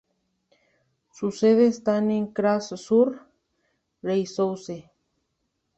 Su sede está en Cras-sur-Reyssouze.